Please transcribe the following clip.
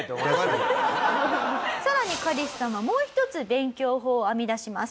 さらにカリスさんはもう１つ勉強法を編み出します。